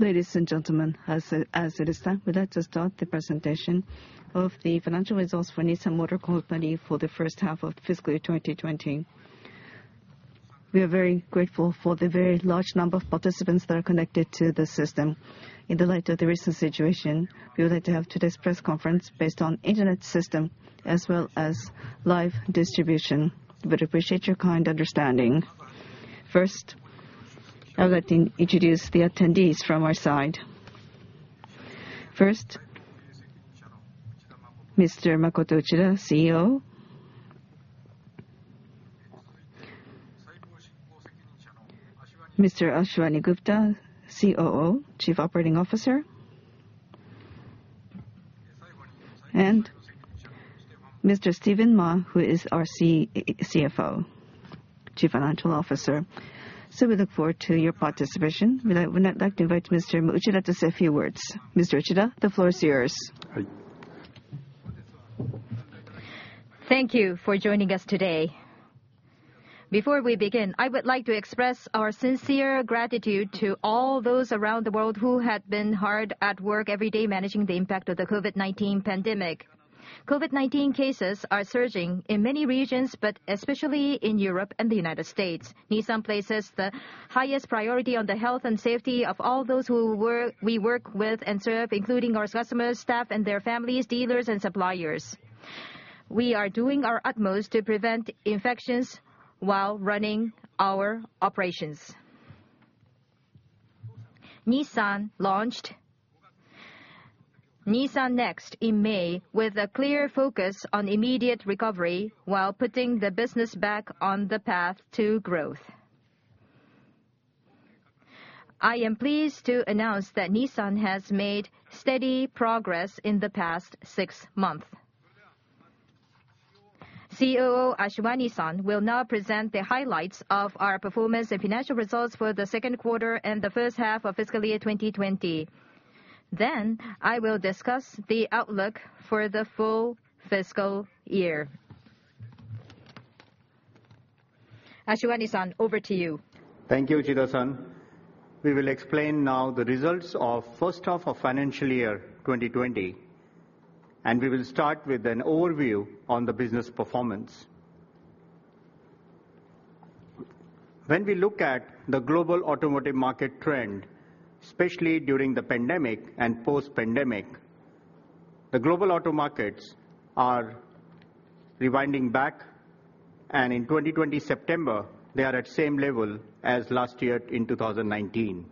Ladies and gentlemen, as it is time, we'd like to start the presentation of the financial results for Nissan Motor Company for the first half of fiscal year 2020. We are very grateful for the very large number of participants that are connected to the system. In the light of the recent situation, we would like to have today's press conference based on Internet system as well as live distribution. We'd appreciate your kind understanding. First, I would like to introduce the attendees from our side. First, Mr. Makoto Uchida, CEO. Mr. Ashwani Gupta, COO, Chief Operating Officer. Mr. Stephen Ma, who is our CFO, Chief Financial Officer. We look forward to your participation. We would now like to invite Mr. Uchida to say a few words. Mr. Uchida, the floor is yours. Thank you for joining us today. Before we begin, I would like to express our sincere gratitude to all those around the world who have been hard at work every day managing the impact of the COVID-19 pandemic. COVID-19 cases are surging in many regions, but especially in Europe and the United States. Nissan places the highest priority on the health and safety of all those who we work with and serve, including our customers, staff, and their families, dealers, and suppliers. We are doing our utmost to prevent infections while running our operations. Nissan launched Nissan NEXT in May with a clear focus on immediate recovery while putting the business back on the path to growth. I am pleased to announce that Nissan has made steady progress in the past six months. COO Ashwani-san will now present the highlights of our performance and financial results for the second quarter and the first half of fiscal year 2020. I will discuss the outlook for the full fiscal year. Ashwani-san, over to you. Thank you, Uchida-san. We will explain now the results of first half of financial year 2020. We will start with an overview on the business performance. When we look at the global automotive market trend, especially during the pandemic and post-pandemic, the global auto markets are rewinding back. In September 2020, they are at same level as last year in 2019.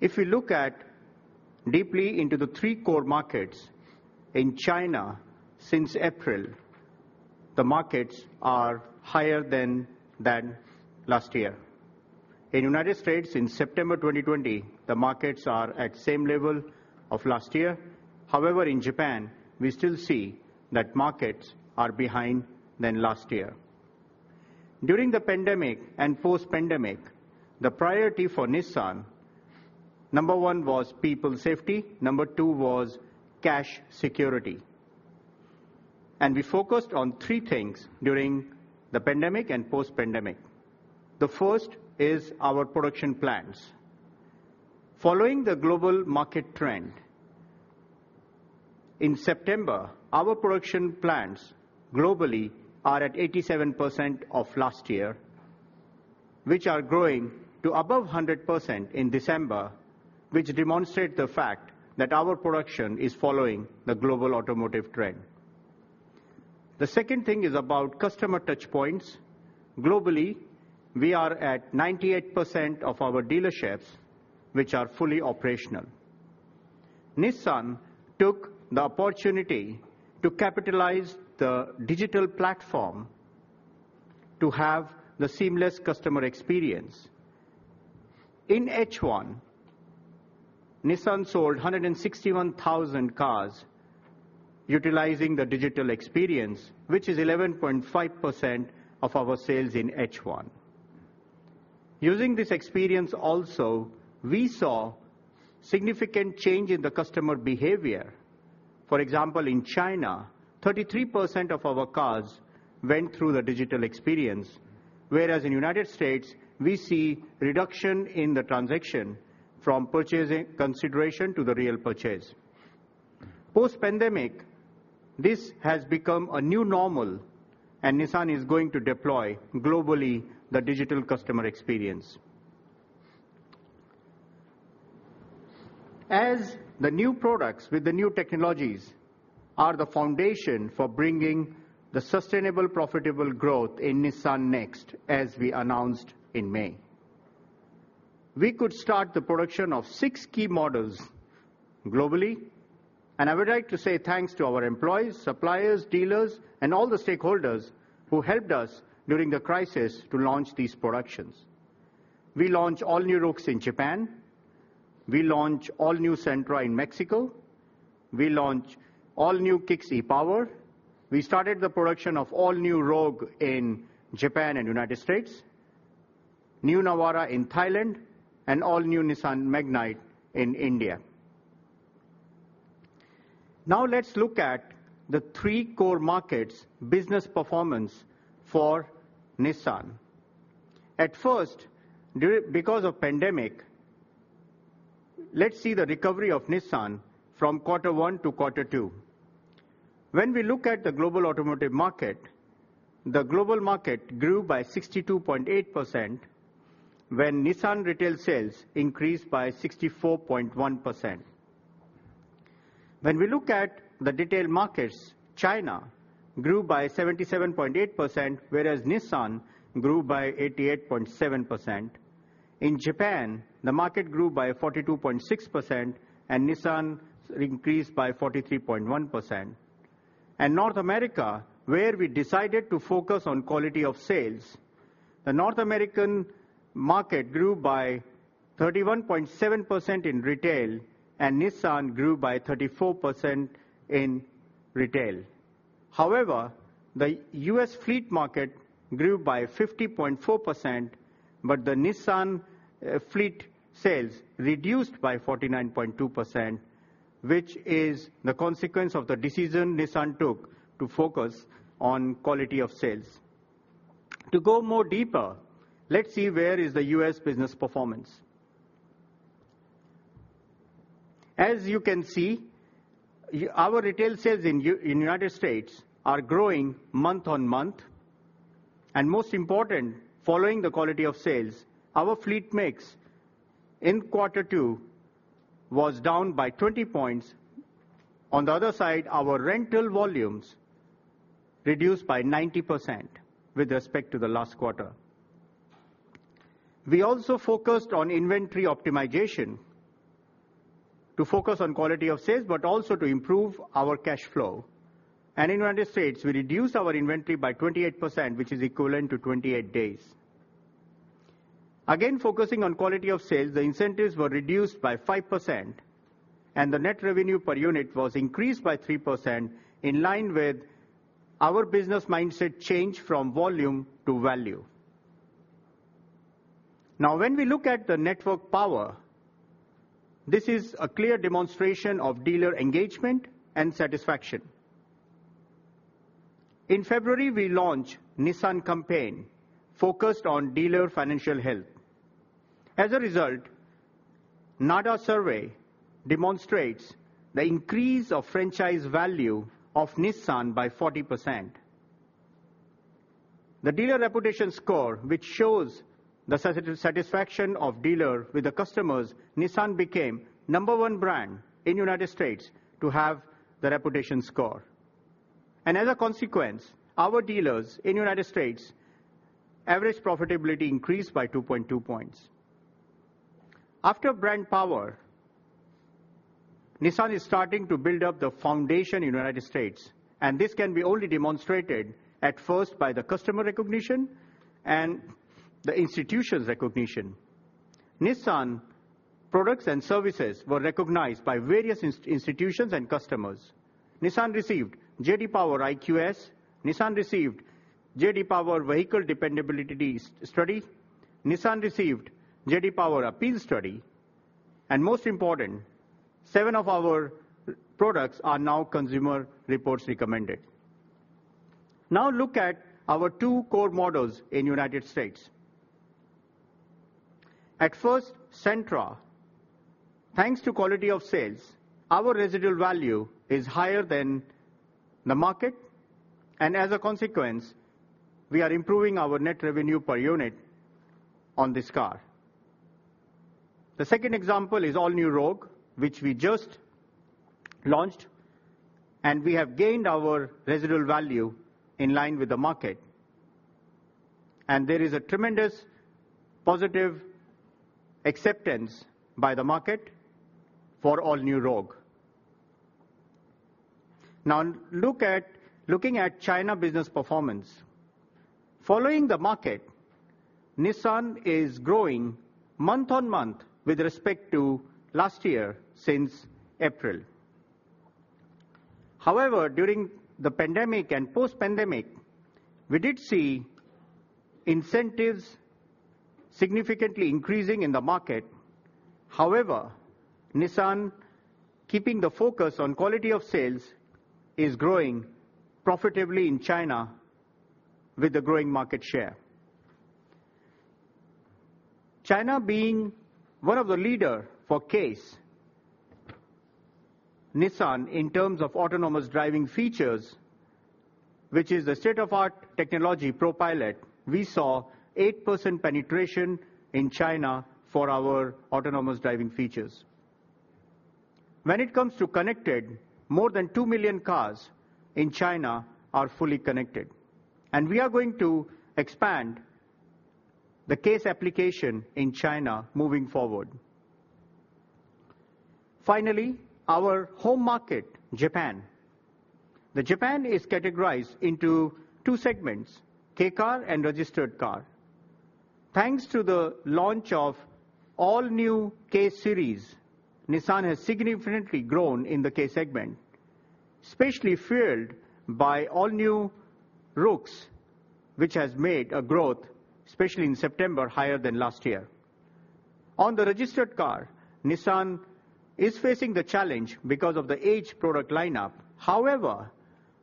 If we look at deeply into the three core markets, in China since April, the markets are higher than last year. In the U.S. in September 2020, the markets are at same level of last year. In Japan, we still see that markets are behind than last year. During the pandemic and post-pandemic, the priority for Nissan, number one was people safety, number two was cash security. We focused on three things during the pandemic and post-pandemic. The first is our production plans. Following the global market trend, in September, our production plans globally are at 87% of last year, which are growing to above 100% in December, which demonstrate the fact that our production is following the global automotive trend. The second thing is about customer touchpoints. Globally, we are at 98% of our dealerships which are fully operational. Nissan took the opportunity to capitalize the digital platform to have the seamless customer experience. In H1, Nissan sold 161,000 cars utilizing the digital experience, which is 11.5% of our sales in H1. Using this experience also, we saw significant change in the customer behavior. For example, in China, 33% of our cars went through the digital experience, whereas in United States, we see reduction in the transaction from purchasing consideration to the real purchase. Post-pandemic, this has become a new normal and Nissan is going to deploy globally the digital customer experience. As the new products with the new technologies are the foundation for bringing the sustainable profitable growth in Nissan NEXT, as we announced in May. We could start the production of six key models globally, and I would like to say thanks to our employees, suppliers, dealers, and all the stakeholders who helped us during the crisis to launch these productions. We launch all new Roox in Japan. We launch all new Sentra in Mexico. We launch all new Kicks e-POWER. We started the production of all new Rogue in Japan and United States, new Navara in Thailand, and all new Nissan Magnite in India. Now let's look at the three core markets' business performance for Nissan. At first, because of pandemic, let's see the recovery of Nissan from quarter one to quarter two. When we look at the global automotive market, the global market grew by 62.8% when Nissan retail sales increased by 64.1%. When we look at the detailed markets, China grew by 77.8%, whereas Nissan grew by 88.7%. In Japan, the market grew by 42.6%, and Nissan increased by 43.1%. In North America, where we decided to focus on quality of sales, the North American market grew by 31.7% in retail, and Nissan grew by 34% in retail. However, the U.S. fleet market grew by 50.4%, but the Nissan fleet sales reduced by 49.2%, which is the consequence of the decision Nissan took to focus on quality of sales. To go more deeper, let's see where is the U.S. business performance. As you can see, our retail sales in the U.S. are growing month-on-month, and most important, following the quality of sales, our fleet mix in quarter two was down by 20 points. On the other side, our rental volumes reduced by 90% with respect to the last quarter. We also focused on inventory optimization to focus on quality of sales, but also to improve our cash flow. In the U.S., we reduced our inventory by 28%, which is equivalent to 28 days. Again, focusing on quality of sales, the incentives were reduced by 5%, and the net revenue per unit was increased by 3% in line with our business mindset change from volume to value. Now when we look at the network power, this is a clear demonstration of dealer engagement and satisfaction. In February, we launched Nissan campaign focused on dealer financial health. As a result, NADA survey demonstrates the increase of franchise value of Nissan by 40%. The dealer reputation score, which shows the satisfaction of dealer with the customers, Nissan became number one brand in United States to have the reputation score. As a consequence, our dealers in United States, average profitability increased by 2.2 points. After brand power, Nissan is starting to build up the foundation in United States, and this can be only demonstrated at first by the customer recognition and the institutions recognition. Nissan products and services were recognized by various institutions and customers. Nissan received J.D. Power IQS. Nissan received J.D. Power Vehicle Dependability Study. Nissan received J.D. Power APEAL Study, and most important, seven of our products are now Consumer Reports Recommended. Now look at our two core models in United States. At first, Sentra. Thanks to quality of sales, our residual value is higher than the market. As a consequence, we are improving our net revenue per unit on this car. The second example is All New Rogue, which we just launched. We have gained our residual value in line with the market. There is a tremendous positive acceptance by the market for All New Rogue. Now, looking at China business performance. Following the market, Nissan is growing month-on-month with respect to last year since April. However, during the pandemic and post-pandemic, we did see incentives significantly increasing in the market. However, Nissan, keeping the focus on quality of sales, is growing profitably in China with a growing market share. China being one of the leader for CASE. Nissan, in terms of autonomous driving features, which is a state-of-the-art technology, ProPILOT, we saw 8% penetration in China for our autonomous driving features. When it comes to connected, more than two million cars in China are fully connected. We are going to expand the CASE application in China moving forward. Finally, our home market, Japan. The Japan is categorized into two segments, kei car and registered car. Thanks to the launch of All New kei series, Nissan has significantly grown in the kei segment, especially fueled by All New Roox, which has made a growth, especially in September, higher than last year. On the registered car, Nissan is facing the challenge because of the aged product lineup.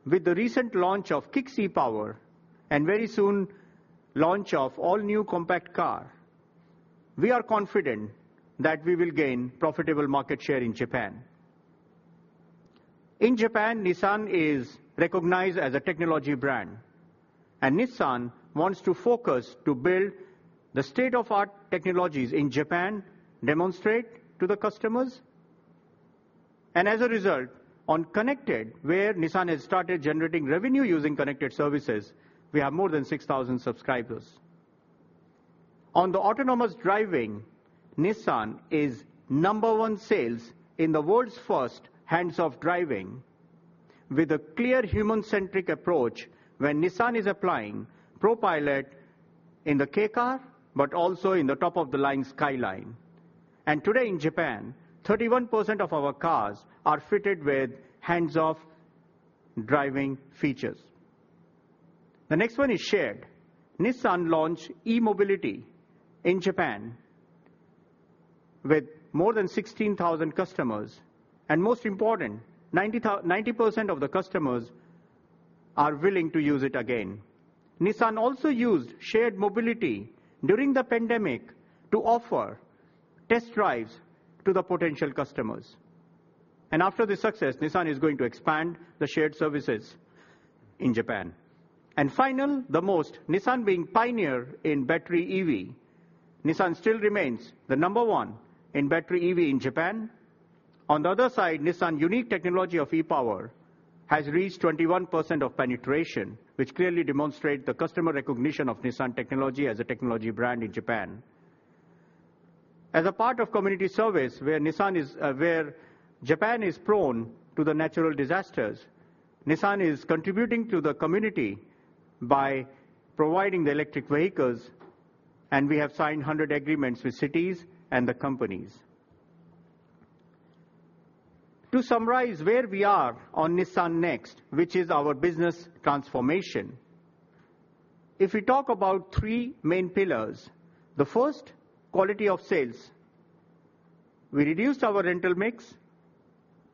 With the recent launch of Kicks e-POWER, and very soon launch of all new compact car, we are confident that we will gain profitable market share in Japan. In Japan, Nissan is recognized as a technology brand. Nissan wants to focus to build the state-of-the-art technologies in Japan, demonstrate to the customers. As a result, on connected, where Nissan has started generating revenue using connected services, we have more than 6,000 subscribers. On the autonomous driving, Nissan is number one sales in the world's first hands-off driving with a clear human-centric approach when Nissan is applying ProPILOT in the kei car, but also in the top-of-the-line Skyline. Today in Japan, 31% of our cars are fitted with hands-off driving features. The next one is shared. Nissan launched e-mobility in Japan with more than 16,000 customers. Most important, 90% of the customers are willing to use it again. Nissan also used shared mobility during the pandemic to offer test drives to the potential customers. After this success, Nissan is going to expand the shared services in Japan. Nissan being pioneer in battery EV, Nissan still remains the number one in battery EV in Japan. On the other side, Nissan unique technology of e-POWER has reached 21% of penetration, which clearly demonstrate the customer recognition of Nissan technology as a technology brand in Japan. As a part of community service where Japan is prone to the natural disasters, Nissan is contributing to the community by providing the electric vehicles, and we have signed 100 agreements with cities and the companies. To summarize where we are on Nissan NEXT, which is our business transformation, if we talk about three main pillars, the first, quality of sales. We reduced our rental mix,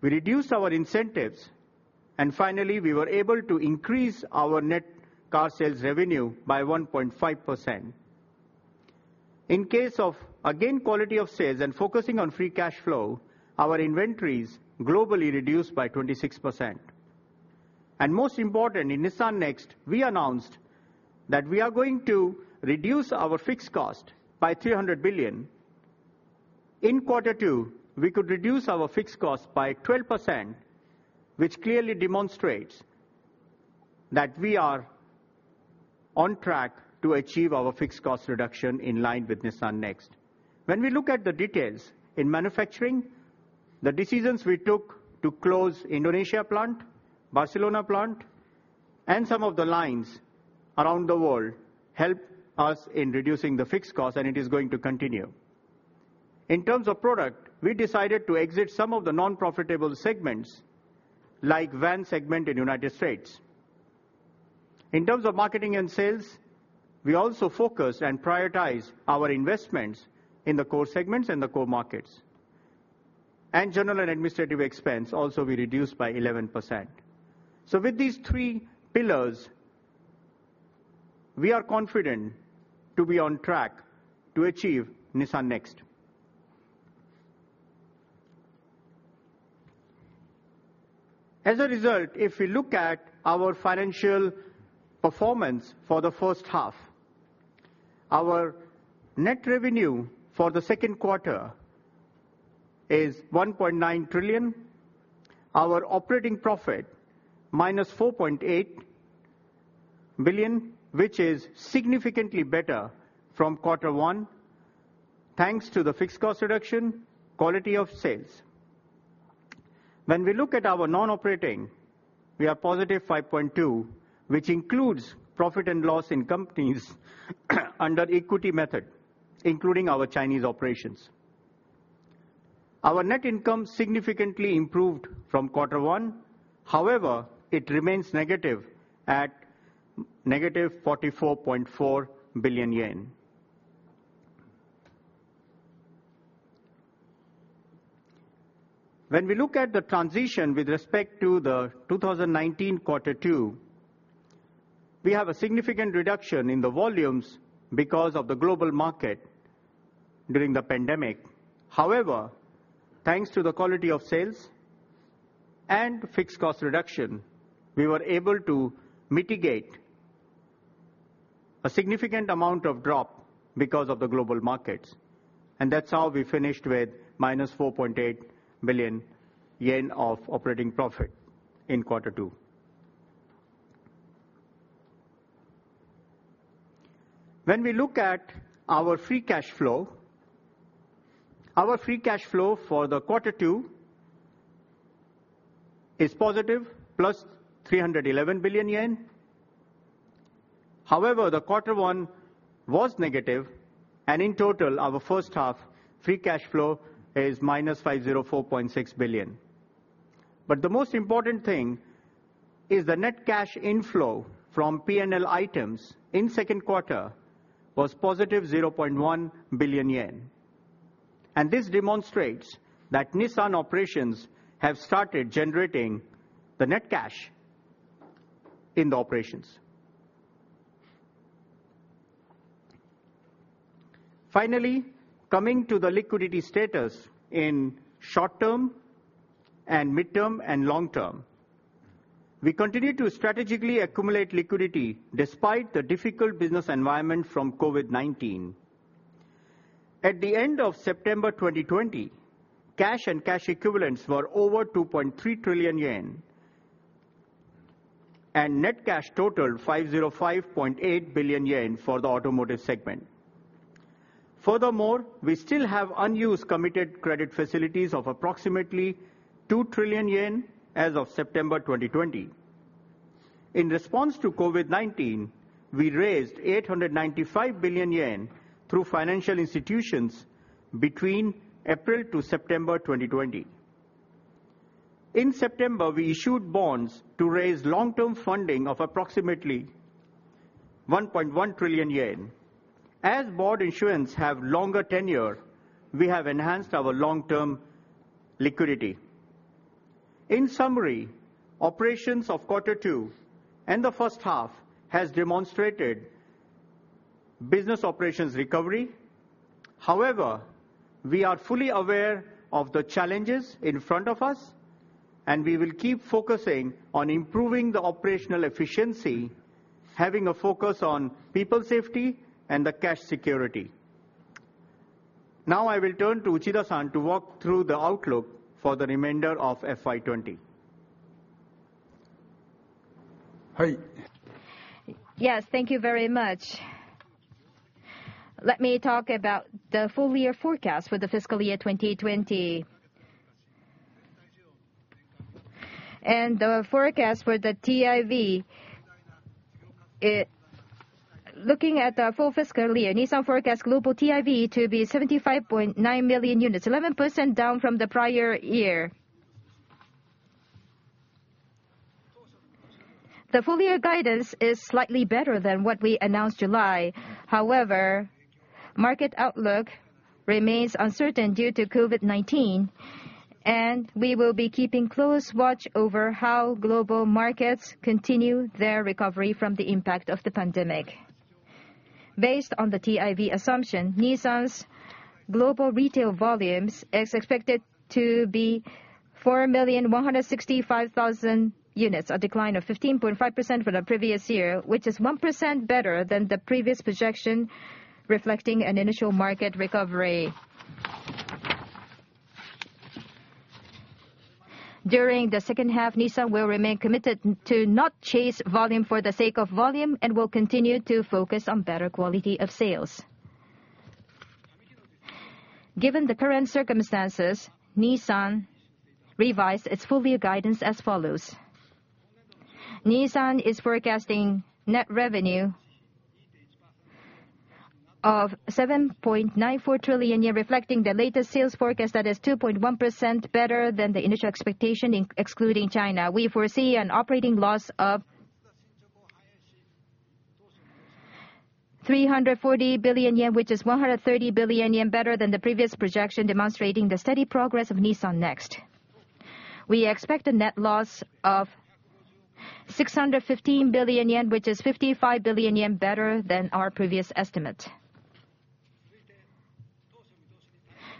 we reduced our incentives, and finally, we were able to increase our net car sales revenue by 1.5%. In case of, again, quality of sales and focusing on free cash flow, our inventories globally reduced by 26%. Most important in Nissan NEXT, we announced that we are going to reduce our fixed cost by 300 billion. In quarter two, we could reduce our fixed cost by 12%, which clearly demonstrates that we are on track to achieve our fixed cost reduction in line with Nissan NEXT. When we look at the details in manufacturing, the decisions we took to close Indonesia plant, Barcelona plant, and some of the lines around the world help us in reducing the fixed cost, and it is going to continue. In terms of product, we decided to exit some of the non-profitable segments like van segment in U.S. In terms of marketing and sales, we also focused and prioritized our investments in the core segments and the core markets. General and administrative expense also we reduced by 11%. With these three pillars, we are confident to be on track to achieve Nissan NEXT. As a result, if we look at our financial performance for the first half, our net revenue for the second quarter is 1.9 trillion. Our operating profit, -4.8 billion, which is significantly better from quarter one, thanks to the fixed cost reduction, quality of sales. When we look at our non-operating, we are positive 5.2 billion, which includes profit and loss in companies under equity method, including our Chinese operations. Our net income significantly improved from quarter one. However, it remains negative at -JPY 44.4 billion. When we look at the transition with respect to the 2019 quarter two, we have a significant reduction in the volumes because of the global market during the pandemic. Thanks to the quality of sales and fixed cost reduction, we were able to mitigate a significant amount of drop because of the global markets. That's how we finished with -4.8 billion yen of operating profit in quarter two. When we look at our free cash flow, our free cash flow for the Quarter 2 is JPY +311 billion. The quarter one was negative, and in total, our first-half free cash flow is -504.6 billion. The most important thing is the net cash inflow from P&L items in second quarter was +0.1 billion yen. This demonstrates that Nissan operations have started generating the net cash in the operations. Finally, coming to the liquidity status in short term and midterm and long term. We continue to strategically accumulate liquidity despite the difficult business environment from COVID-19. At the end of September 2020, cash and cash equivalents were over 2.3 trillion yen, and net cash totaled 505.8 billion yen for the automotive segment. Furthermore, we still have unused committed credit facilities of approximately 2 trillion yen as of September 2020. In response to COVID-19, we raised 895 billion yen through financial institutions between April to September 2020. In September, we issued bonds to raise long-term funding of approximately 1.1 trillion yen. As bond issuance have longer tenure, we have enhanced our long-term liquidity. In summary, operations of quarter two and the first half has demonstrated business operations recovery. However, we are fully aware of the challenges in front of us, and we will keep focusing on improving the operational efficiency, having a focus on people safety and the cash security. Now I will turn to Uchida-san to walk through the outlook for the remainder of FY 2020. Yes. Thank you very much. Let me talk about the full year forecast for the fiscal year 2020. The forecast for the TIV. Looking at the full fiscal year, Nissan forecast global TIV to be 75.9 million units, 11% down from the prior year. The full year guidance is slightly better than what we announced July. However, market outlook remains uncertain due to COVID-19, and we will be keeping close watch over how global markets continue their recovery from the impact of the pandemic. Based on the TIV assumption, Nissan's global retail volumes is expected to be 4,165,000 units, a decline of 15.5% from the previous year, which is 1% better than the previous projection, reflecting an initial market recovery. During the second half, Nissan will remain committed to not chase volume for the sake of volume and will continue to focus on better quality of sales. Given the current circumstances, Nissan revised its full year guidance as follows. Nissan is forecasting net revenue of 7.94 trillion yen, reflecting the latest sales forecast that is 2.1% better than the initial expectation, excluding China. We foresee an operating loss of 340 billion yen, which is 130 billion yen better than the previous projection, demonstrating the steady progress of Nissan NEXT. We expect a net loss of 615 billion yen, which is 55 billion yen better than our previous estimate.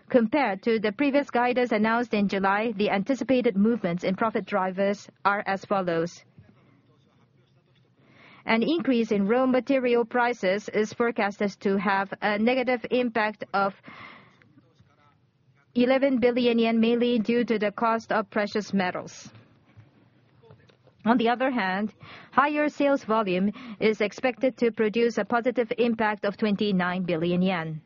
Compared to the previous guidance announced in July, the anticipated movements in profit drivers are as follows. An increase in raw material prices is forecasted to have a negative impact of 11 billion yen, mainly due to the cost of precious metals. On the other hand, higher sales volume is expected to produce a positive impact of 29 billion yen.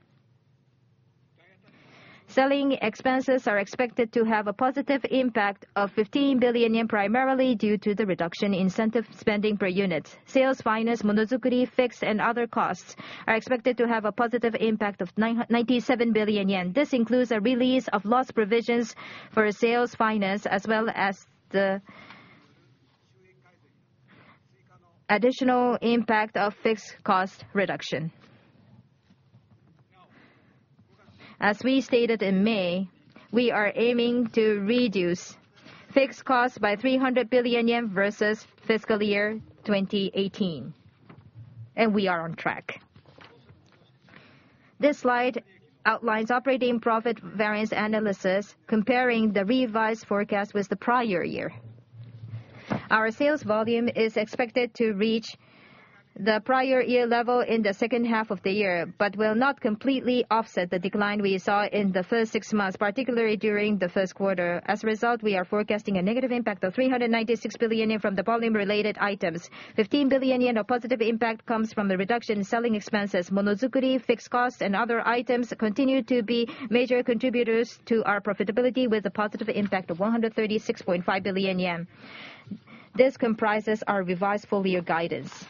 Selling expenses are expected to have a positive impact of 15 billion yen, primarily due to the reduction in incentive spending per unit. Sales finance, Monozukuri, fixed and other costs are expected to have a positive impact of 97 billion yen. This includes a release of loss provisions for sales finance as well as the additional impact of fixed cost reduction. As we stated in May, we are aiming to reduce fixed costs by 300 billion yen versus FY 2018, and we are on track. This slide outlines operating profit variance analysis comparing the revised forecast with the prior year. Our sales volume is expected to reach the prior year level in the second half of the year, but will not completely offset the decline we saw in the first six months, particularly during the first quarter. As a result, we are forecasting a negative impact of 396 billion yen from the volume related items. 15 billion yen of positive impact comes from the reduction in selling expenses. Monozukuri, fixed costs, and other items continue to be major contributors to our profitability with a positive impact of 136.5 billion yen. This comprises our revised full year guidance.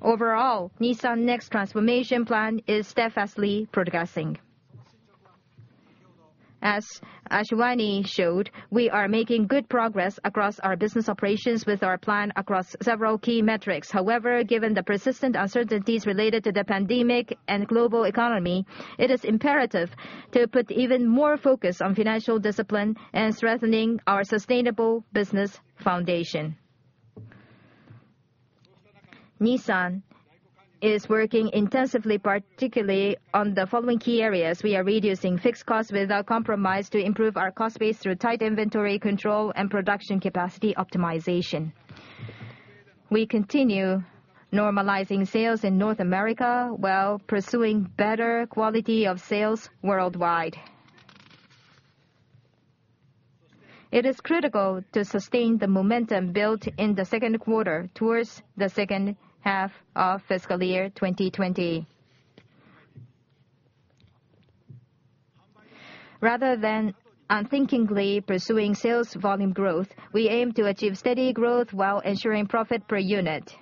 Nissan NEXT transformation plan is steadfastly progressing. As Ashwani showed, we are making good progress across our business operations with our plan across several key metrics. Given the persistent uncertainties related to the pandemic and global economy, it is imperative to put even more focus on financial discipline and strengthening our sustainable business foundation. Nissan is working intensively, particularly on the following key areas. We are reducing fixed costs without compromise to improve our cost base through tight inventory control and production capacity optimization. We continue normalizing sales in North America while pursuing better quality of sales worldwide. It is critical to sustain the momentum built in the second quarter towards the second half of fiscal year 2020. Rather than unthinkingly pursuing sales volume growth, we aim to achieve steady growth while ensuring profit per unit.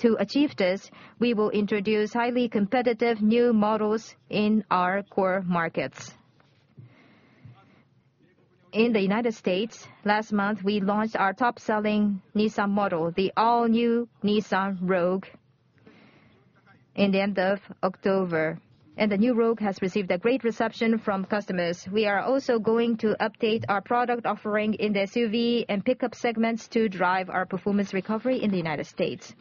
To achieve this, we will introduce highly competitive new models in our core markets. In the United States, last month, we launched our top-selling Nissan model, the all-new Nissan Rogue, in the end of October. The new Rogue has received a great reception from customers. We are also going to update our product offering in the SUV and pickup segments to drive our performance recovery in the United States.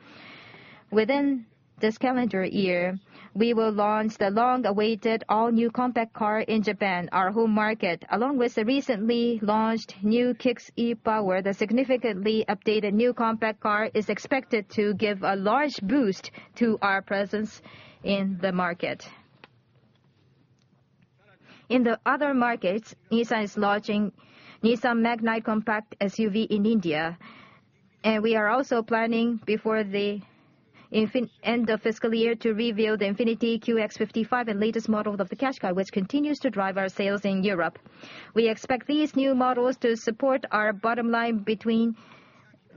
Within this calendar year, we will launch the long-awaited all new compact car in Japan, our home market. Along with the recently launched new Kicks e-POWER, the significantly updated new compact car is expected to give a large boost to our presence in the market. In the other markets, Nissan is launching Nissan Magnite compact SUV in India, and we are also planning before the end of fiscal year to reveal the INFINITI QX55 and latest model of the Qashqai, which continues to drive our sales in Europe. We expect these new models to support our bottom line between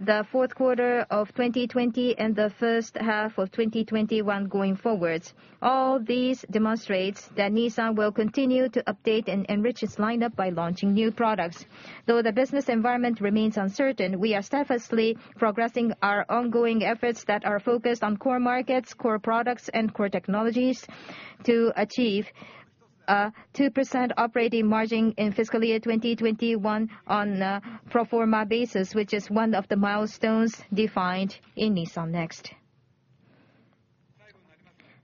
the fourth quarter of 2020 and the first half of 2021 going forwards. All these demonstrates that Nissan will continue to update and enrich its lineup by launching new products. Though the business environment remains uncertain, we are steadfastly progressing our ongoing efforts that are focused on core markets, core products, and core technologies to achieve a 2% operating margin in fiscal year 2021 on a pro forma basis, which is one of the milestones defined in Nissan NEXT.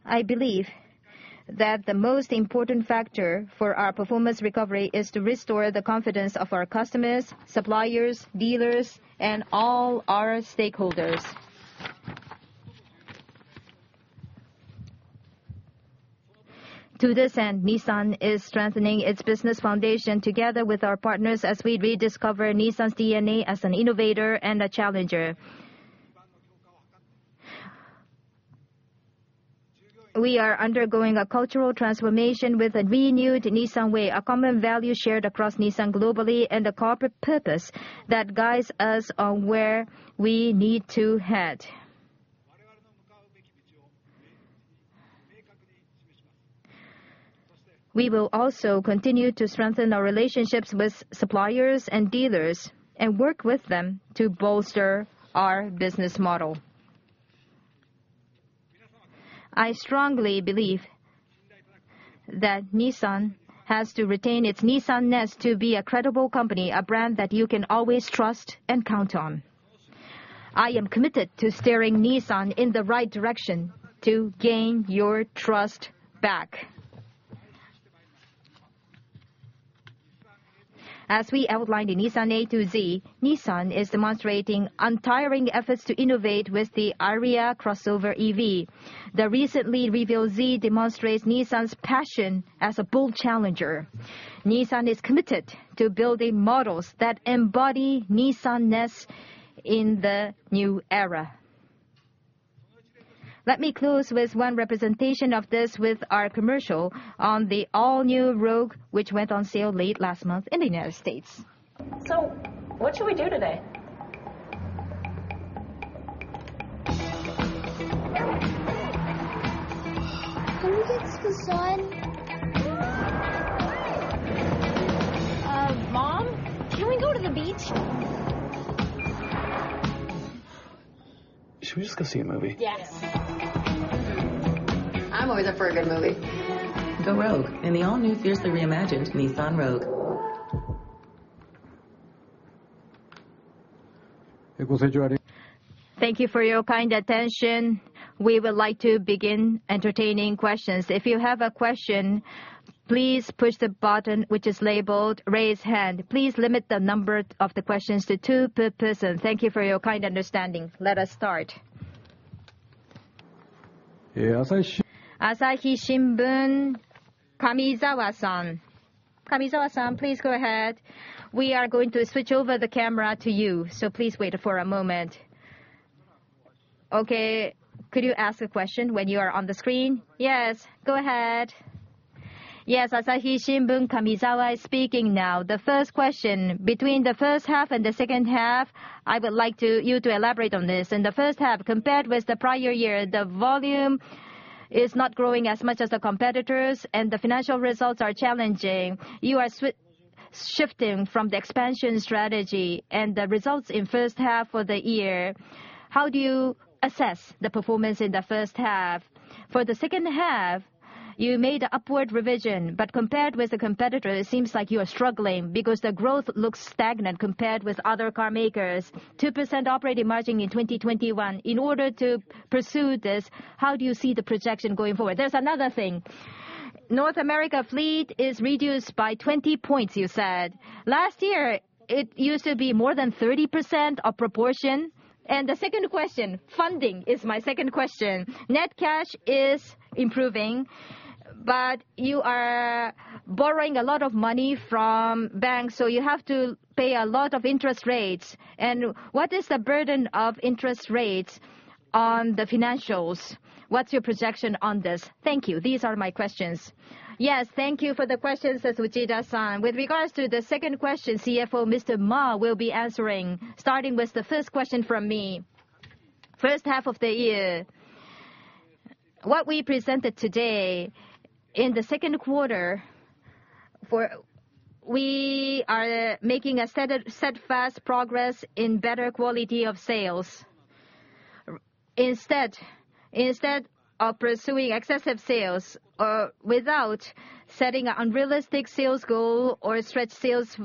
I believe that the most important factor for our performance recovery is to restore the confidence of our customers, suppliers, dealers, and all our stakeholders. To this end, Nissan is strengthening its business foundation together with our partners as we rediscover Nissan's DNA as an innovator and a challenger. We are undergoing a cultural transformation with a renewed Nissan Way, a common value shared across Nissan globally and a corporate purpose that guides us on where we need to head. We will also continue to strengthen our relationships with suppliers and dealers and work with them to bolster our business model. I strongly believe that Nissan has to retain its Nissan-ness to be a credible company, a brand that you can always trust and count on. I am committed to steering Nissan in the right direction to gain your trust back. As we outlined in Nissan A to Z, Nissan is demonstrating untiring efforts to innovate with the Ariya Crossover EV. The recently revealed Z demonstrates Nissan's passion as a bold challenger. Nissan is committed to building models that embody Nissan-ness in the new era. Let me close with one representation of this with our commercial on the all-new Rogue, which went on sale late last month in the U.S. What should we do today? Can we get some sun? Mom, can we go to the beach? Should we just go see a movie? Yes. I 'm always up for a good movie. The Rogue in the all new fiercely reimagined Nissan Rogue. Thank you for your kind attention. We would like to begin entertaining questions. If you have a question, please push the button which is labeled Raise Hand. Please limit the number of the questions to two per person. Thank you for your kind understanding. Let us start. Asahi Shimbun. Asahi Shimbun, Kamizawa-san. Kamizawa-san, please go ahead. We are going to switch over the camera to you, so please wait for a moment. Okay, could you ask a question when you are on the screen? Yes, go ahead. Yes, Asahi Shimbun, Kamizawa is speaking now. The first question, between the first half and the second half, I would like you to elaborate on this. In the first half, compared with the prior year, the volume is not growing as much as the competitors, and the financial results are challenging. You are shifting from the expansion strategy and the results in first half for the year. How do you assess the performance in the first half? For the second half, you made an upward revision, but compared with the competitor, it seems like you are struggling because the growth looks stagnant compared with other car makers. 2% operating margin in 2021. In order to pursue this, how do you see the projection going forward? There's another thing. North America fleet is reduced by 20 points, you said. Last year, it used to be more than 30% of proportion. The second question, funding is my second question. Net cash is improving, but you are borrowing a lot of money from banks, so you have to pay a lot of interest rates. What is the burden of interest rates on the financials? What's your projection on this? Thank you. These are my questions. Yes, thank you for the questions, Ms. Shimbun-san. With regards to the second question, CFO Ma-san will be answering. Starting with the first question from me. First half of the year, what we presented today in the second quarter, we are making a steadfast progress in better quality of sales. Instead of pursuing excessive sales or without setting an unrealistic sales goal or stretch sales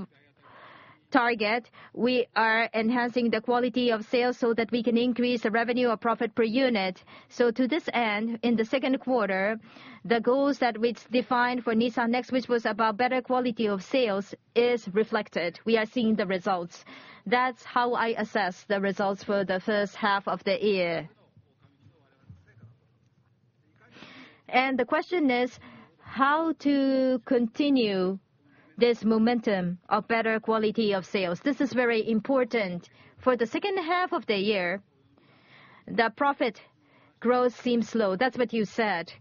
target, we are enhancing the quality of sales so that we can increase the revenue or profit per unit. To this end, in the second quarter, the goals that we defined for Nissan NEXT, which was about better quality of sales, is reflected. We are seeing the results. That's how I assess the results for the first half of the year. The question is how to continue this momentum of better quality of sales. This is very important. For the second half of the year, the profit growth seems slow. That's what you said.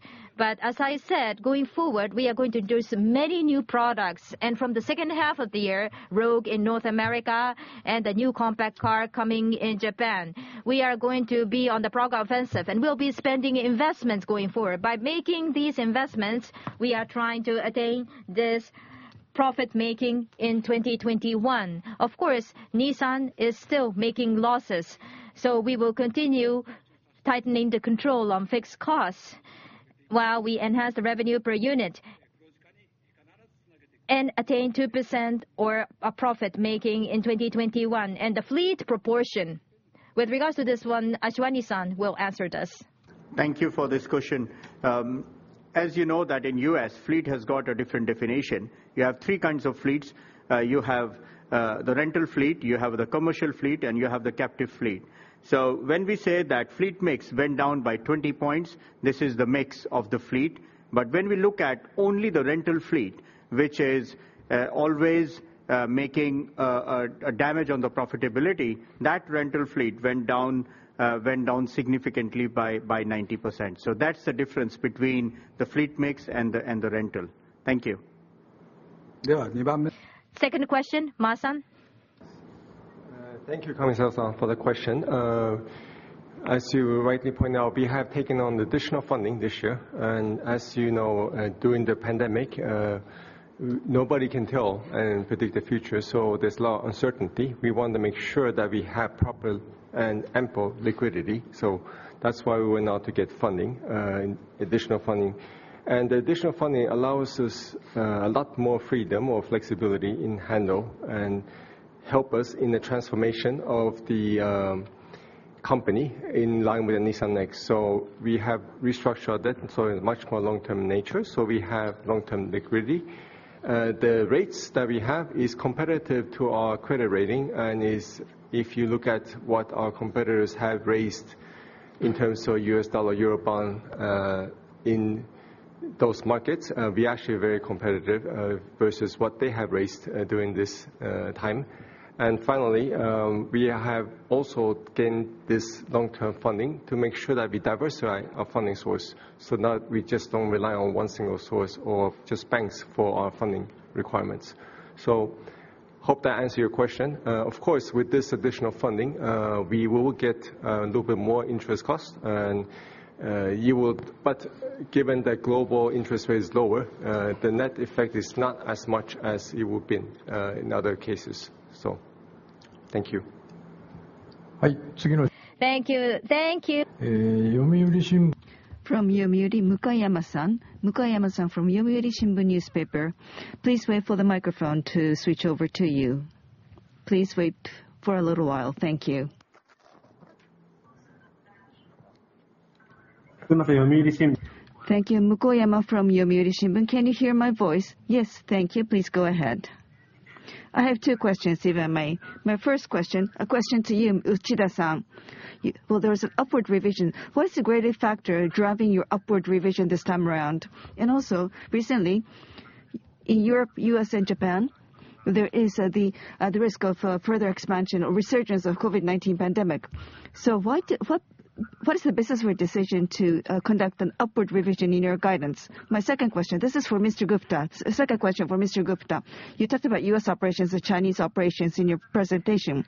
As I said, going forward, we are going to introduce many new products, and from the second half of the year, Rogue in North America and a new compact car coming in Japan. We are going to be on the offensive, and we'll be spending investments going forward. By making these investments, we are trying to attain this profit-making in 2021. Of course, Nissan is still making losses, so we will continue tightening the control on fixed costs while we enhance the revenue per unit and attain 2% or a profit-making in 2021. The fleet proportion, with regards to this one, Ashwani-san will answer this. Thank you for this question. As you know that in U.S., fleet has got a different definition. You have three kinds of fleets. You have the rental fleet, you have the commercial fleet, and you have the captive fleet. When we say that fleet mix went down by 20 points, this is the mix of the fleet. When we look at only the rental fleet, which is always making damage on the profitability, that rental fleet went down significantly by 90%. That's the difference between the fleet mix and the rental. Thank you. Second question, Ma-san. Thank you, Kamizawa-san, for the question. As you rightly point out, we have taken on additional funding this year, and as you know, during the pandemic, nobody can tell and predict the future, there's a lot of uncertainty. We want to make sure that we have proper and ample liquidity. That's why we went out to get funding, additional funding. The additional funding allows us a lot more freedom, more flexibility in handle, and help us in the transformation of the company in line with the Nissan Next. We have restructured debt, in much more long-term nature, we have long-term liquidity. The rates that we have is competitive to our credit rating and is, if you look at what our competitors have raised in terms of US dollar, Euro bond, in those markets, we are actually very competitive versus what they have raised during this time. Finally, we have also gained this long-term funding to make sure that we diversify our funding source, Now we just don't rely on one single source or just banks for our funding requirements. Hope that answered your question. Of course, with this additional funding, we will get a little bit more interest cost. Given that global interest rate is lower, the net effect is not as much as it would been in other cases. Thank you. Thank you. Thank you. From Yomiuri, Mukoyama-san. Mukoyama-san from Yomiuri Shimbun newspaper. Please wait for the microphone to switch over to you. Please wait for a little while. Thank you. Taku Mukoyama, Yomiuri Shimbun. Thank you. Mukoyama from Yomiuri Shimbun. Can you hear my voice? Yes, thank you. Please go ahead. I have two questions, if I may. My first question, a question to you, Uchida-san. Well, there was an upward revision. What is the greatest factor driving your upward revision this time around? Also, recently, in Europe, U.S., and Japan, there is the risk of further expansion or resurgence of COVID-19 pandemic. What is the business decision to conduct an upward revision in your guidance? My second question, this is for Mr. Gupta. Second question for Mr. Gupta. You talked about U.S. operations and Chinese operations in your presentation.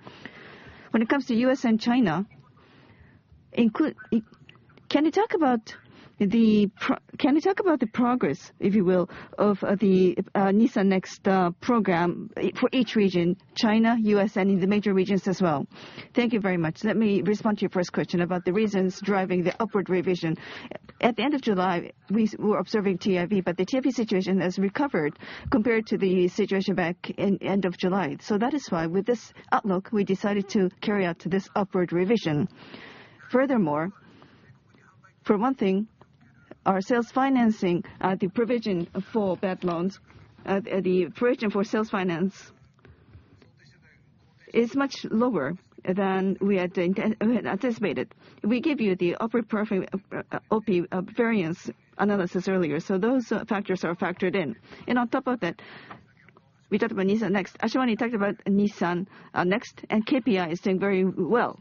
When it comes to U.S. and China, can you talk about the progress, if you will, of the Nissan NEXT program for each region, China, U.S., and the major regions as well? Thank you very much. Let me respond to your first question about the reasons driving the upward revision. At the end of July, we were observing TIV, but the TIV situation has recovered compared to the situation back in end of July. That is why with this outlook, we decided to carry out this upward revision. Furthermore, for one thing, our sales financing, the provision for bad loans, the provision for sales finance is much lower than we had anticipated. We gave you the upper profit OP variance analysis earlier. Those factors are factored in. On top of that, we talked about Nissan NEXT. Ashwani talked about Nissan NEXT and KPI is doing very well.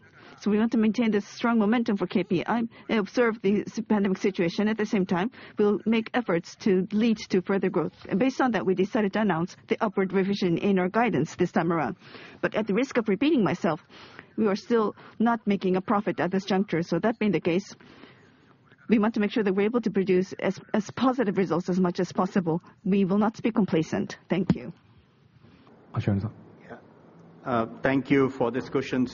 We want to maintain this strong momentum for KPI and observe the pandemic situation. At the same time, we'll make efforts to lead to further growth. Based on that, we decided to announce the upward revision in our guidance this time around. At the risk of repeating myself, we are still not making a profit at this juncture. That being the case, we want to make sure that we're able to produce as positive results as much as possible. We will not be complacent. Thank you. Ashwani-san. Yeah. Thank you for this question.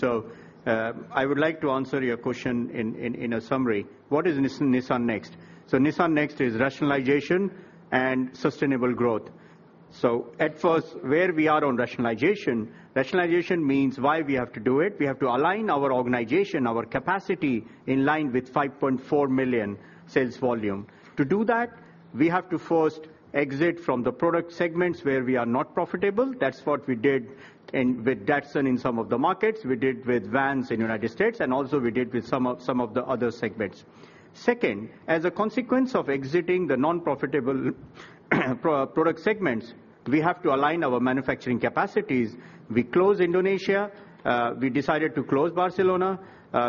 I would like to answer your question in a summary. What is Nissan NEXT? Nissan NEXT is rationalization and sustainable growth. At first, where we are on rationalization means why we have to do it. We have to align our organization, our capacity in line with 5.4 million sales volume. To do that, we have to first exit from the product segments where we are not profitable. That's what we did with Datsun in some of the markets, we did with vans in the United States, and also we did with some of the other segments. Second, as a consequence of exiting the non-profitable product segments, we have to align our manufacturing capacities. We closed Indonesia, we decided to close Barcelona,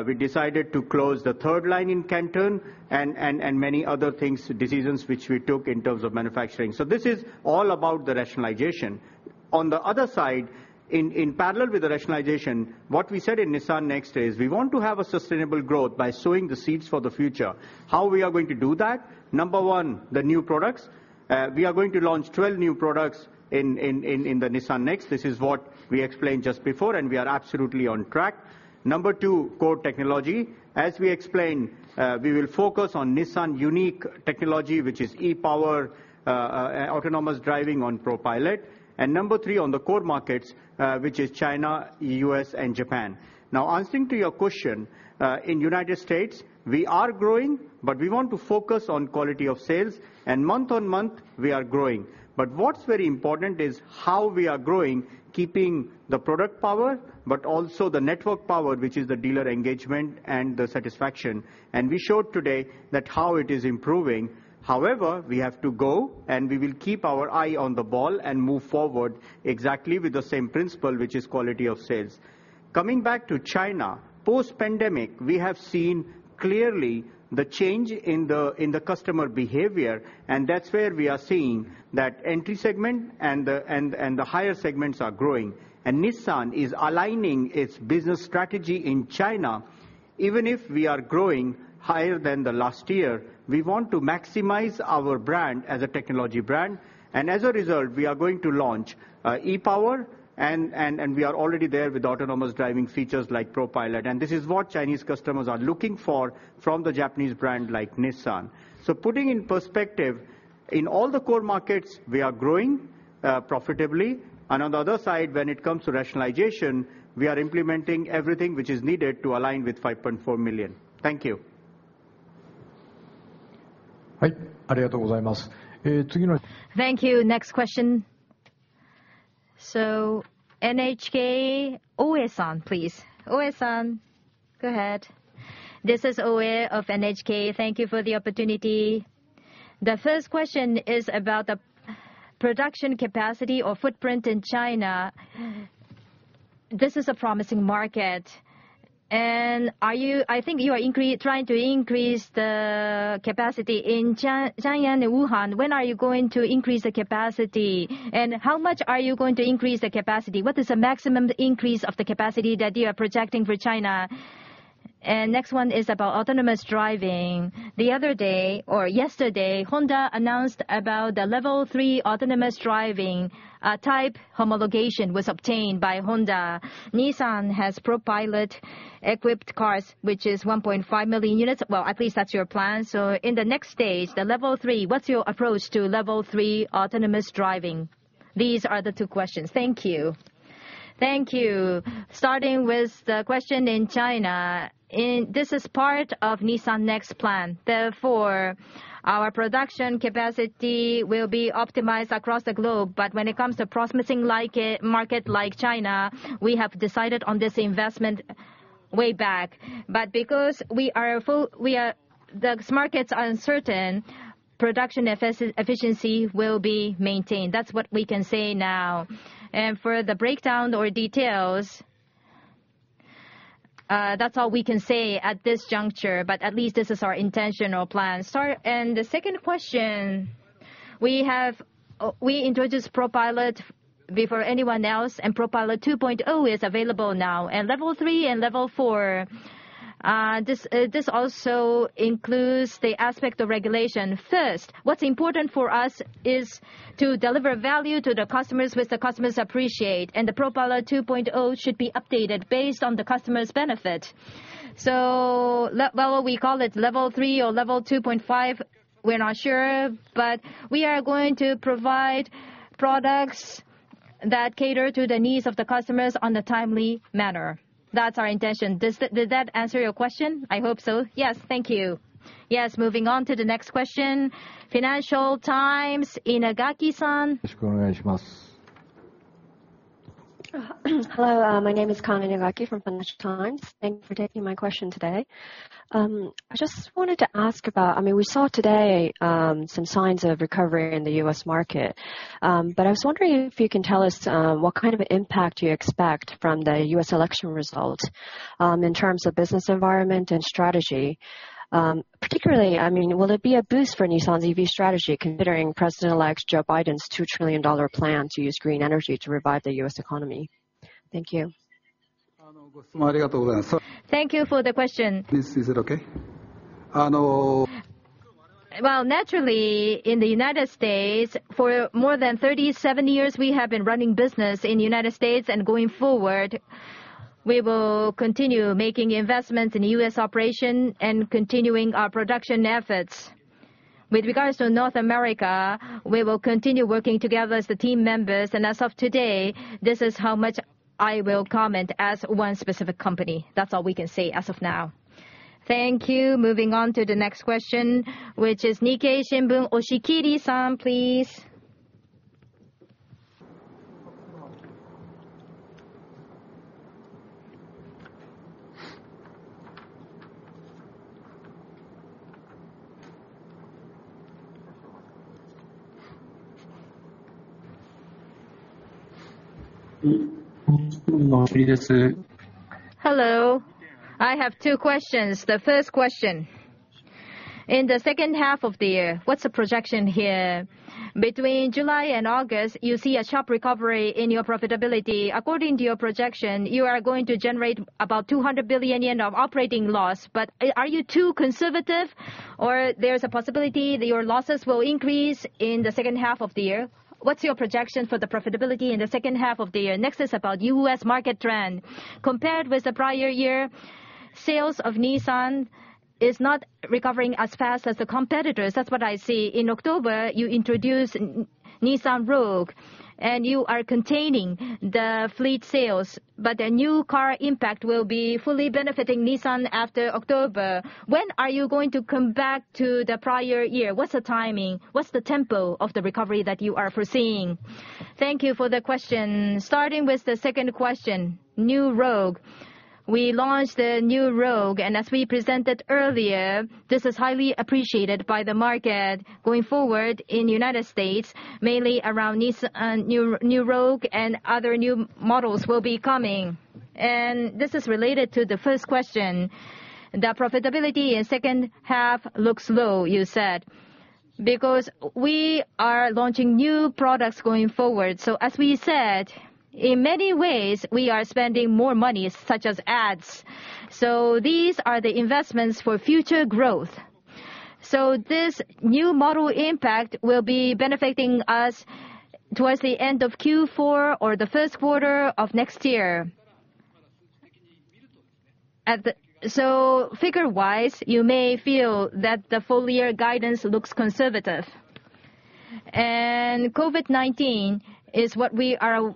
we decided to close the third line in Canton, and many other things, decisions which we took in terms of manufacturing. This is all about the rationalization. On the other side, in parallel with the rationalization, what we said in Nissan NEXT is we want to have a sustainable growth by sowing the seeds for the future. How we are going to do that? Number one, the new products. We are going to launch 12 new products in the Nissan NEXT. This is what we explained just before, and we are absolutely on track. Number two, core technology. As we explained, we will focus on Nissan unique technology, which is e-POWER, autonomous driving on ProPILOT. Number three, on the core markets, which is China, U.S., and Japan. Now answering to your question, in U.S., we are growing, but we want to focus on quality of sales, and month-on-month, we are growing. What's very important is how we are growing, keeping the product power, but also the network power, which is the dealer engagement and the satisfaction. We showed today that how it is improving. However, we have to go, and we will keep our eye on the ball and move forward exactly with the same principle, which is quality of sales. Coming back to China, post-pandemic, we have seen clearly the change in the customer behavior, and that's where we are seeing that entry segment and the higher segments are growing. Nissan is aligning its business strategy in China. Even if we are growing higher than the last year, we want to maximize our brand as a technology brand. As a result, we are going to launch e-POWER, and we are already there with autonomous driving features like ProPILOT. This is what Chinese customers are looking for from the Japanese brand like Nissan. Putting in perspective, in all the core markets, we are growing profitably. On the other side, when it comes to rationalization, we are implementing everything which is needed to align with 5.4 million. Thank you. Thank you very much. Thank you. Next question. NHK, Oue-san, please. Oue-san, go ahead. This is Oue of NHK. Thank you for the opportunity. The first question is about the production capacity or footprint in China. This is a promising market. I think you are trying to increase the capacity in Xiangyang and Wuhan. When are you going to increase the capacity? How much are you going to increase the capacity? What is the maximum increase of the capacity that you are projecting for China? Next one is about autonomous driving. The other day or yesterday, Honda announced about the Level 3 autonomous driving type homologation was obtained by Honda. Nissan has ProPILOT-equipped cars, which is 1.5 million units. Well, at least that's your plan. In the next stage, the Level 3, what's your approach to Level 3 autonomous driving? These are the two questions. Thank you. Thank you. Starting with the question in China, this is part of Nissan NEXT plan. Our production capacity will be optimized across the globe. When it comes to promising market like China, we have decided on this investment way back. Because the markets are uncertain, production efficiency will be maintained. That's what we can say now. For the breakdown or details, that's all we can say at this juncture, but at least this is our intention or plan. The second question, we introduced ProPILOT before anyone else, and ProPILOT 2.0 is available now. Level 3 and Level 4, this also includes the aspect of regulation. First, what's important for us is to deliver value to the customers, which the customers appreciate. The ProPILOT 2.0 should be updated based on the customer's benefit. Whether we call it Level 3 or Level 2.5, we're not sure, but we are going to provide products that cater to the needs of the customers on a timely manner. That's our intention. Did that answer your question? I hope so. Yes. Thank you. Moving on to the next question. Financial Times, Inagaki-san. Hello, my name is Kana Inagaki from Financial Times. Thank you for taking my question today. I just wanted to ask about, we saw today some signs of recovery in the U.S. market. I was wondering if you can tell us what kind of impact you expect from the U.S. election result, in terms of business environment and strategy. Particularly, will it be a boost for Nissan's EV strategy considering President Elect Joe Biden's $2 trillion plan to use green energy to revive the U.S. economy? Thank you. Thank you for the question. Please, is it okay? Well, naturally, in the U.S., for more than 37 years, we have been running business in the U.S. Going forward, we will continue making investments in U.S. operation and continuing our production efforts. With regards to North America, we will continue working together as the team members, and as of today, this is how much I will comment as one specific company. That's all we can say as of now. Thank you. Moving on to the next question, which is Nikkei Shimbun, Oshikiri-san, please. Hello. I have two questions. The first question, in the second half of the year, what's the projection here? Between July and August, you see a sharp recovery in your profitability. According to your projection, you are going to generate about 200 billion yen of operating loss. Are you too conservative or there's a possibility that your losses will increase in the second half of the year? What's your projection for the profitability in the second half of the year? Next is about U.S. market trend. Compared with the prior year, sales of Nissan is not recovering as fast as the competitors. That's what I see. In October, you introduced Nissan Rogue, and you are containing the fleet sales, but the new car impact will be fully benefiting Nissan after October. When are you going to come back to the prior year? What's the timing? What's the tempo of the recovery that you are foreseeing? Thank you for the question. Starting with the second question, new Rogue. We launched the new Rogue, and as we presented earlier, this is highly appreciated by the market. Going forward, in the U.S., mainly around Nissan Rogue and other new models will be coming. This is related to the first question. The profitability in second half looks low, you said, because we are launching new products going forward. As we said, in many ways we are spending more money, such as ads. These are the investments for future growth. This new model impact will be benefiting us towards the end of Q4 or the first quarter of next year. Figure-wise, you may feel that the full year guidance looks conservative. COVID-19 is what we are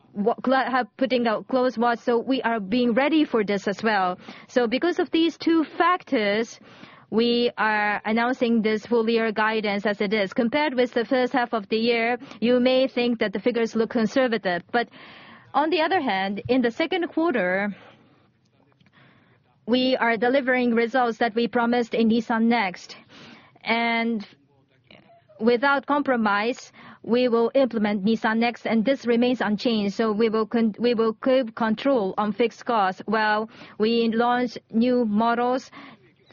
putting a close watch, so we are being ready for this as well. Because of these two factors, we are announcing this full year guidance as it is. Compared with the first half of the year, you may think that the figures look conservative. On the other hand, in the second quarter, we are delivering results that we promised in Nissan NEXT. Without compromise, we will implement Nissan NEXT, and this remains unchanged. We will keep control on fixed costs while we launch new models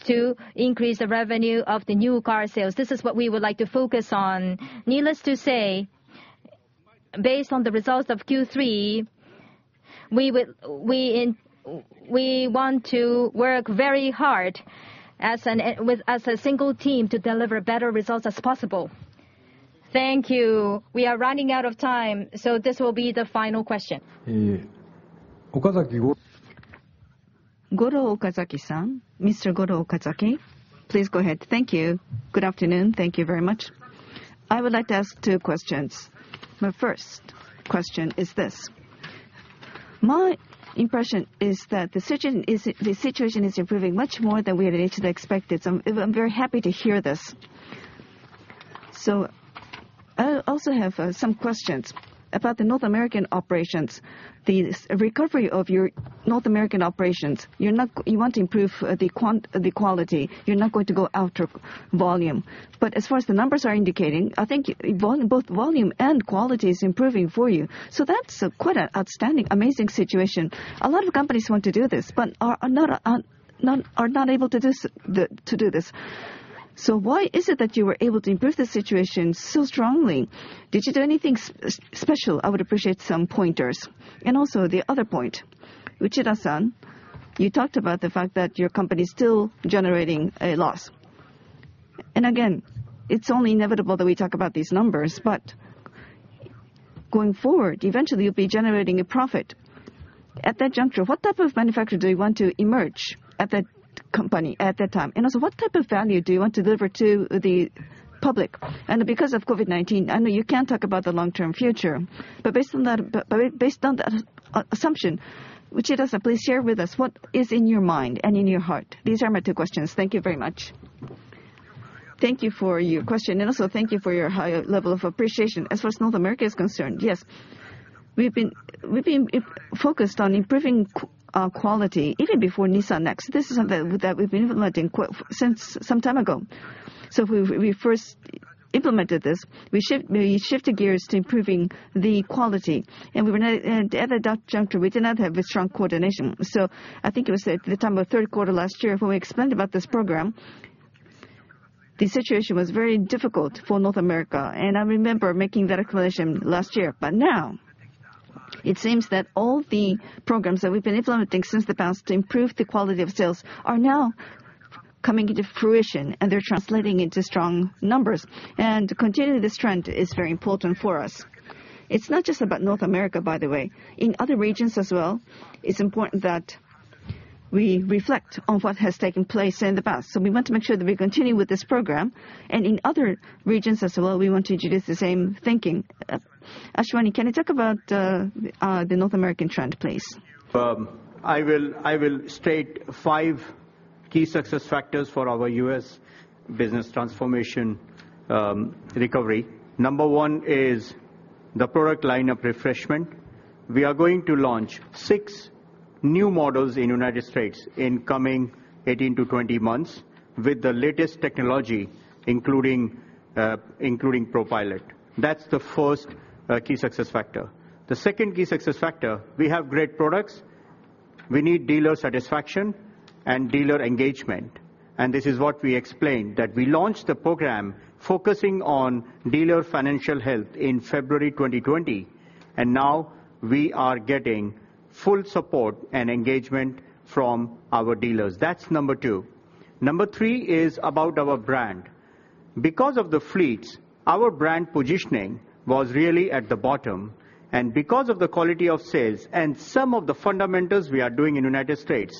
to increase the revenue of the new car sales. This is what we would like to focus on. Needless to say, based on the results of Q3, we want to work very hard as a single team to deliver better results as possible. Thank you. We are running out of time, so this will be the final question. Goro Okazaki-san. Mr. Goro Okazaki, please go ahead. Thank you. Good afternoon, thank you very much. I would like to ask two questions. My first question is this. My impression is that the situation is improving much more than we had initially expected, so I'm very happy to hear this. I also have some questions about the North American operations. The recovery of your North American operations, you want to improve the quality. You're not going to go after volume. As far as the numbers are indicating, I think both volume and quality is improving for you. That's quite an outstanding, amazing situation. A lot of companies want to do this, but are not able to do this. Why is it that you were able to improve the situation so strongly? Did you do anything special? I would appreciate some pointers. Also the other point, Uchida-san, you talked about the fact that your company is still generating a loss. Again, it's only inevitable that we talk about these numbers, but going forward, eventually you'll be generating a profit. At that juncture, what type of manufacturer do you want to emerge at that time? Also, what type of value do you want to deliver to the public? Because of COVID-19, I know you can't talk about the long-term future. Based on that assumption, Uchida-san, please share with us what is in your mind and in your heart. These are my two questions. Thank you very much. Thank you for your question, and also thank you for your high level of appreciation. As far as North America is concerned, yes, we've been focused on improving our quality even before Nissan NEXT. This is something that we've been implementing since some time ago. We first implemented this. We shifted gears to improving the quality. At that juncture, we did not have a strong coordination. I think it was at the time of third quarter last year when we explained about this program, the situation was very difficult for North America, and I remember making that accusation last year. Now it seems that all the programs that we've been implementing since the past to improve the quality of sales are now coming into fruition, and they're translating into strong numbers. To continue this trend is very important for us. It's not just about North America, by the way. In other regions as well, it's important that we reflect on what has taken place in the past. We want to make sure that we continue with this program, and in other regions as well, we want to introduce the same thinking. Ashwani, can you talk about the North American trend, please? I will state five key success factors for our U.S. business transformation recovery. Number one is the product line of refreshment. We are going to launch six new models in United States in coming 18-20 months with the latest technology, including ProPILOT. That's the first key success factor. The second key success factor, we have great products. We need dealer satisfaction and dealer engagement. This is what we explained, that we launched the program focusing on dealer financial health in February 2020, and now we are getting full support and engagement from our dealers. That's number two. Number three is about our brand. Because of the fleets, our brand positioning was really at the bottom, and because of the quality of sales and some of the fundamentals we are doing in the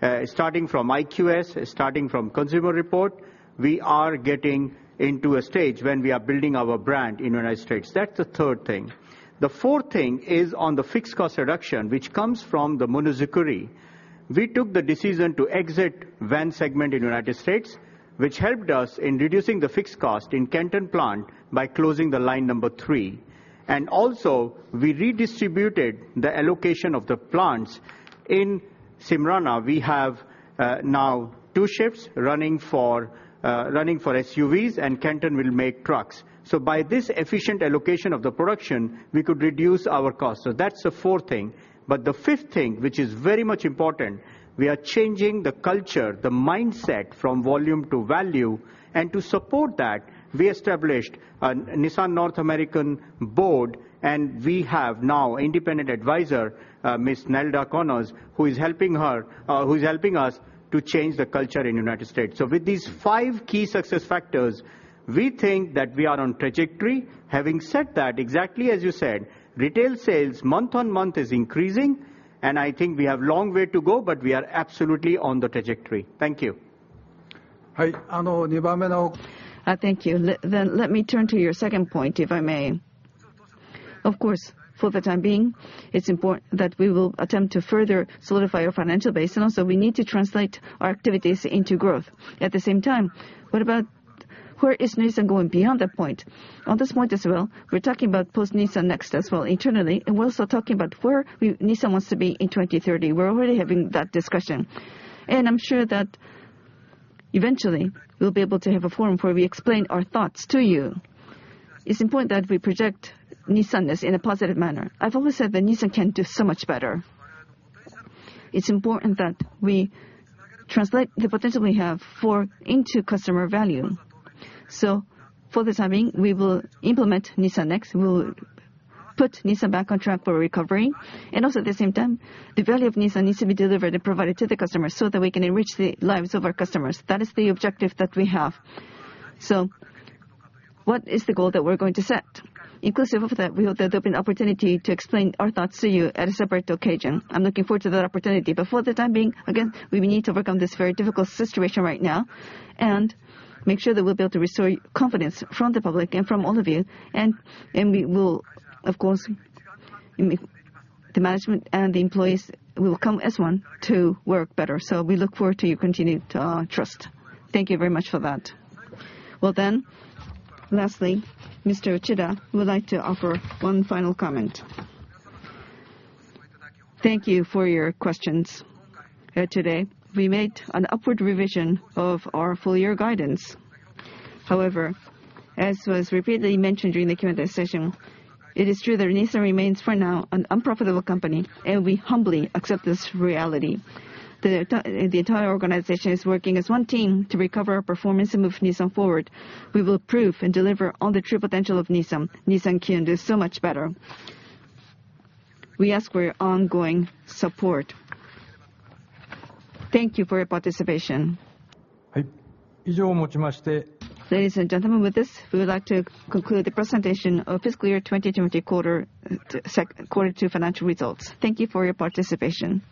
U.S., starting from IQS, starting from Consumer Reports, we are getting into a stage when we are building our brand in the U.S. That's the third thing. The fourth thing is on the fixed cost reduction, which comes from the Monozukuri. We took the decision to exit van segment in the U.S., which helped us in reducing the fixed cost in Canton plant by closing the line number three. Also, we redistributed the allocation of the plants. In Smyrna, we have now two shifts running for SUVs, and Canton will make trucks. By this efficient allocation of the production, we could reduce our cost. That's the fourth thing. The fifth thing, which is very much important, we are changing the culture, the mindset from volume to value. To support that, we established a Nissan North American board, and we have now independent advisor, Ms. Nelda Connors, who is helping us to change the culture in the United States. With these five key success factors, we think that we are on trajectory. Having said that, exactly as you said, retail sales month-on-month is increasing, and I think we have long way to go, but we are absolutely on the trajectory. Thank you. Thank you. Let me turn to your second point, if I may. Of course, for the time being, it's important that we will attempt to further solidify our financial base, and also we need to translate our activities into growth. At the same time, where is Nissan going beyond that point? On this point as well, we're talking about post Nissan NEXT as well internally, and we're also talking about where Nissan wants to be in 2030. We're already having that discussion. I'm sure that eventually we'll be able to have a forum where we explain our thoughts to you. It's important that we project Nissan-ness in a positive manner. I've always said that Nissan can do so much better. It's important that we translate the potential we have into customer value. For the time being, we will implement Nissan NEXT. We'll put Nissan back on track for recovery. Also at the same time, the value of Nissan needs to be delivered and provided to the customer so that we can enrich the lives of our customers. That is the objective that we have. What is the goal that we're going to set? Inclusive of that, we hope there'll be an opportunity to explain our thoughts to you at a separate occasion. I'm looking forward to that opportunity. For the time being, again, we need to overcome this very difficult situation right now and make sure that we'll be able to restore confidence from the public and from all of you. We will, of course, the management and the employees will come as one to work better. We look forward to your continued trust. Thank you very much for that. Lastly, Mr. Uchida would like to offer one final comment. Thank you for your questions today. We made an upward revision of our full year guidance. As was repeatedly mentioned during the Q&A session, it is true that Nissan remains, for now, an unprofitable company, and we humbly accept this reality. The entire organization is working as one team to recover our performance and move Nissan forward. We will prove and deliver on the true potential of Nissan. Nissan can do so much better. We ask for your ongoing support. Thank you for your participation. Ladies and gentlemen, with this, we would like to conclude the presentation of fiscal year 2020 quarter two financial results. Thank you for your participation.